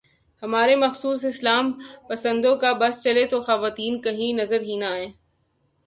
ہمارے مخصوص اسلام پسندوں کا بس چلے تو خواتین کہیں نظر ہی نہ آئیں۔